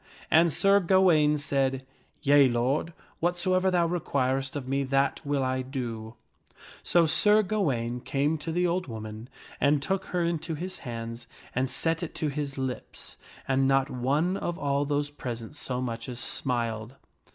And Sir Gawaine said, "Yea, lord, whatsoever thou requirest of me, that will I do." So Sir Gawaine came to the old woman and took her hand into his and set it to his lips; and not one of all those present so much as smiled.